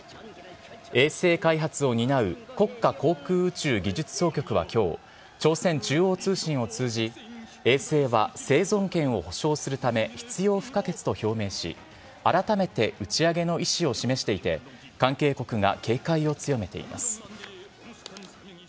衛星開発を担う国家航空宇宙技術総局はきょう、朝鮮中央通信を通じ、衛星は生存権を保障するため、必要不可欠と表明し、改めて打ち上げの意思を示していて、関係国が警戒を強めています。